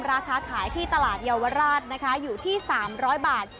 ราคาขายที่ตลาดเยาวราชนะคะอยู่ที่๓๐๐บาท